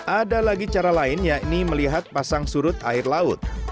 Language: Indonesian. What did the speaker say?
ada lagi cara lain yakni melihat pasang surut air laut